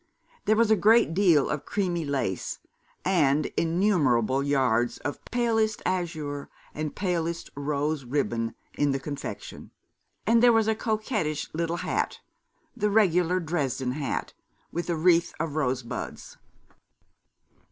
There was a great deal of creamy lace, and innumerable yards of palest azure and palest rose ribbon in the confection, and there was a coquettish little hat, the regular Dresden hat, with a wreath of rosebuds.